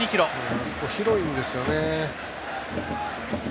あそこ、広いんですよね。